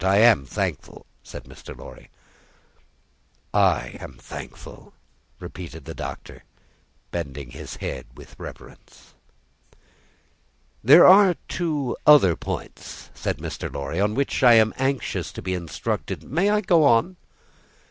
I am thankful!" said Mr. Lorry. "I am thankful!" repeated the Doctor, bending his head with reverence. "There are two other points," said Mr. Lorry, "on which I am anxious to be instructed. I may go on?"